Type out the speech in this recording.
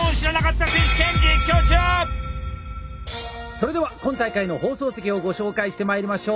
それでは今大会の放送席をご紹介してまいりましょう。